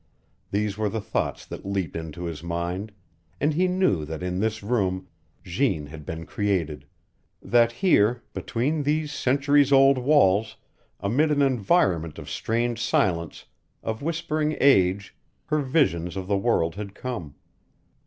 These were the thoughts that leaped into his mind, and he knew that in this room Jeanne had been created; that here, between these centuries old walls, amid an environment of strange silence, of whispering age, her visions of the world had come.